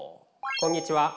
こんにちは。